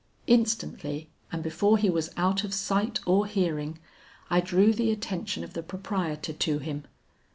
Instantly, and before he was out of sight or hearing, I drew the attention of the proprietor to him.